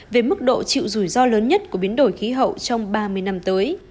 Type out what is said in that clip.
về mức độ chịu rủi ro lớn nhất của biến đổi khí hậu trong ba mươi năm tới